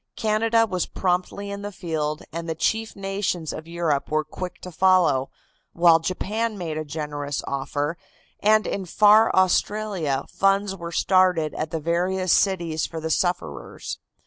Canada was promptly in the field, and the chief nations of Europe were quick to follow, while Japan made a generous offer, and in far Australia funds were started at the various cities for the sufferers.